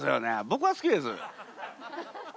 ぼくは好きです。